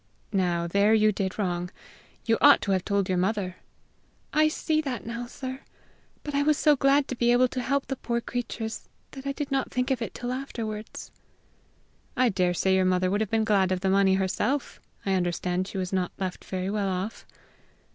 "Now there you did wrong. You ought to have told your mother." "I see that now, sir; but I was so glad to be able to help the poor creatures that I did not think of it till afterwards." "I dare say your mother would have been glad of the money herself; I understand she was not left very well off."